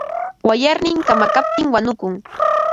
Wayarnin kamakaptin wanukun.